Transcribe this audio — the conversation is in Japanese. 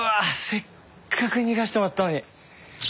せっかく逃がしてもらったのに。